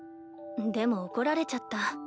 でも怒られちゃった。